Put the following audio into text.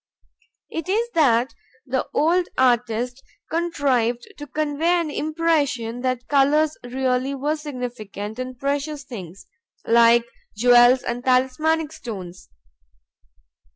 It is that the old artist contrived to convey an impression that colors really were significant and precious things, like jewels and talismanic stones.